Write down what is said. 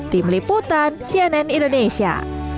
tim liputan cnn indonesia